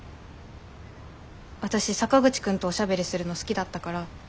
私坂口くんとおしゃべりするの好きだったから。